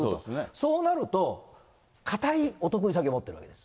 そうなると、かたいお得意先を持ってるわけです。